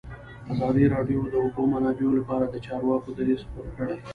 ازادي راډیو د د اوبو منابع لپاره د چارواکو دریځ خپور کړی.